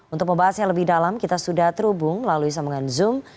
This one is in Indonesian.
untuk membahasnya lebih dalam kita sudah terhubung melalui sambungan zoom